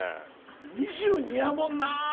２２やもんな。